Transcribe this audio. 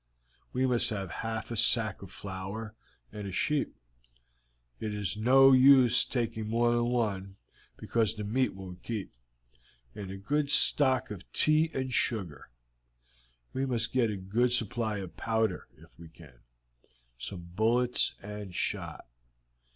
We must have half a sack of flour and a sheep it is no use taking more than one, because the meat won't keep and a good stock of tea and sugar. We must get a good supply of powder, if we can, some bullets and shot.